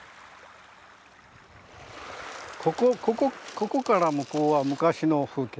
ここから向こうは昔の風景。